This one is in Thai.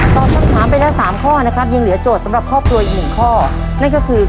ตอบคำถามไปแล้วสามข้อนะครับยังเหลือโจทย์สำหรับครอบครัวอีกหนึ่งข้อนั่นก็คือ